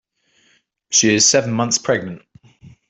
She is seven months pregnant.